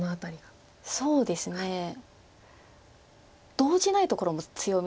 動じないところも強み。